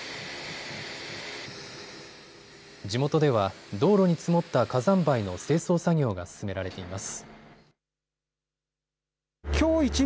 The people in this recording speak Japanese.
地元では道路に積もった火山灰の清掃作業が進められています。